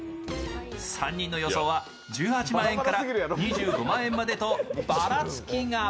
３人の予想は１８万円から２５万円までとバラツキが。